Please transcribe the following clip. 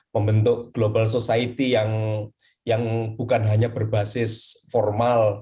membentuk global society yang bukan hanya berbasis formal